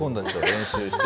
練習して。